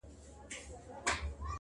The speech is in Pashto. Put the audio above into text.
یا به اوښ یا زرافه ورته ښکاره سم؛